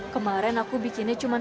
kemaren aku bikinnya cuman sepuluh